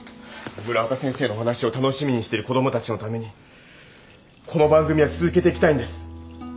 村岡先生のお話を楽しみにしている子どもたちのためにこの番組は続けていきたいんです。